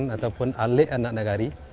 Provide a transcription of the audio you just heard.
ataupun alik anak nagari